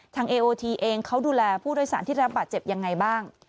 เอโอทีเองเขาดูแลผู้โดยสารที่ได้รับบาดเจ็บยังไงบ้าง